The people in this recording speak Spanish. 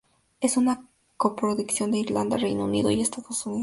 Es una coproducción de Irlanda, Reino Unido y Estados Unidos.